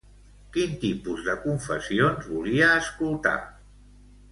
Quin tipus de confessions volia escoltar?